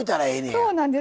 そうなんです。